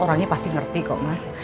orangnya pasti ngerti kok mas